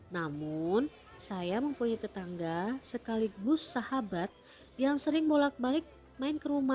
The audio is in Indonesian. namun saya mempunyai tetangga sekaligus sahabat yang sering bolak balik main ke rumah